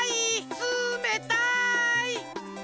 つめたい！